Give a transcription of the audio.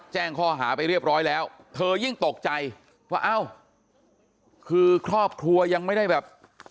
แจ้งข้อหาไปเรียบร้อยแล้วเธอยิ่งตกใจว่าเอ้าคือครอบครัวยังไม่ได้แบบ